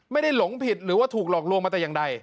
หลงผิดหรือว่าถูกหลอกลวงมาแต่อย่างใด